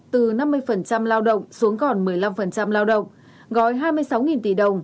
từ năm mươi lao động xuống còn một mươi năm lao động gói hai mươi sáu tỷ đồng